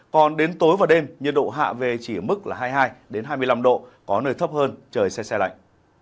còn đến tối và đêm nhiệt độ hạ về chỉ ở mức là hai mươi hai hai mươi năm độ có nơi thấp hơn trời xe xe lạnh